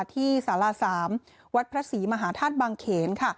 ที่ศาลาสามวัดพระศรีมหาธาตุบังเขน